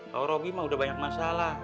kalau roby mah udah banyak masalah